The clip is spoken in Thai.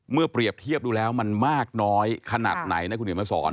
เปรียบเทียบดูแล้วมันมากน้อยขนาดไหนนะคุณเดี๋ยวมาสอน